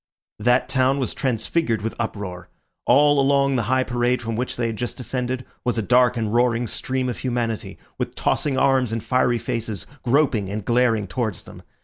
That town was transfigured with uproar. All along the high parade from which they had just descended was a dark and roaring stream of humanity, with tossing arms and fiery faces, groping and glaring towards them.